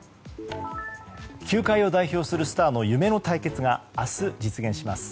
球界を代表するスターの夢の対決が明日、実現します。